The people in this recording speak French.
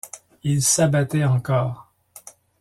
Ils s’abattaient encore.